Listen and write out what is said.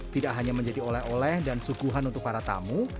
tidak hanya menjadi oleh oleh dan suguhan untuk para tamu